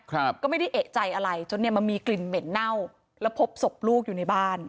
ครับก็ไม่ได้เอกใจอะไรจนเนี้ยมันมีกลิ่นเหม็นเน่าแล้วพบศพลูกอยู่ในบ้าน